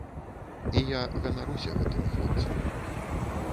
І я ганаруся гэтымі хлопцамі.